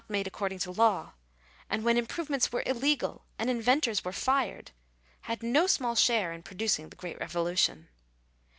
made according to law — and when improvements were illegal and inventors were fined — had no small share in producing the great revolution.